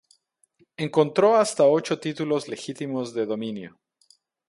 Encontró hasta ocho títulos legítimos de dominio.